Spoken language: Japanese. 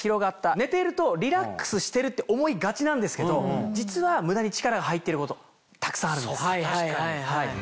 寝ているとリラックスしてるって思いがちなんですけど実は無駄に力が入ってることたくさんあるんです。